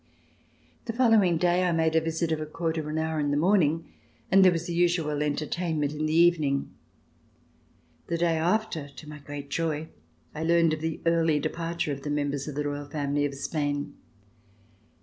The following day I made a visit of a quarter of an hour in the morning, and there was the usual entertainment in the evening. The day after, to my great joy, I learned of the early departure of the members of the Royal Family of Spain.